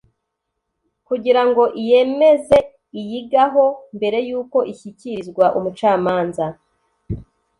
kugira ngo iyemeze iyigaho mbere y ‘uko ishyikirizwa umucamanza.